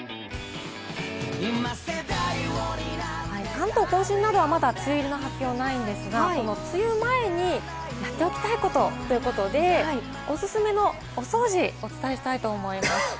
関東甲信などはまだ梅雨入りの発表ないんですが、梅雨前にやっておきたいことということで、おすすめのお掃除、お伝えしたいと思います。